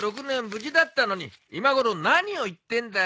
無事だったのに今ごろ何を言ってんだよ。